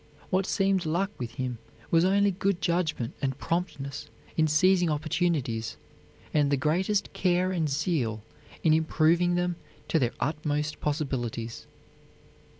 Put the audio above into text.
What seemed luck with him was only good judgment and promptness in seizing opportunities, and the greatest care and zeal in improving them to their utmost possibilities.